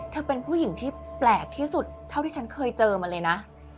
เป็นผู้หญิงที่แปลกที่สุดเท่าที่ฉันเคยเจอมาเลยนะ